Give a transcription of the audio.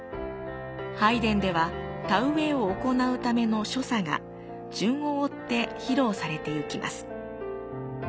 拝殿では田植えを行うための所作が順を追って披露されてゆきます。